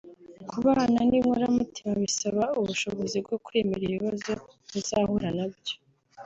Kubana nk’inkoramutima bisaba ubushobozi bwo kwemera ibibazo muzahura nabyo